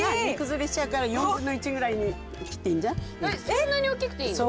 そんなにおっきくていいの？